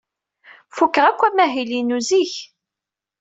Fukeɣ akk amahil-inu zik.